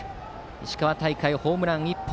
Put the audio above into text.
石川大会、ホームラン１本。